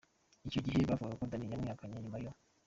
Icyo gihe yavugaga ko Danny yamwihakanye nyuma yo.